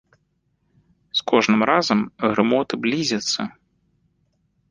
З кожным разам грымоты блізяцца.